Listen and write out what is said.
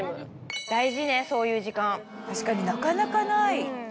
確かになかなかない。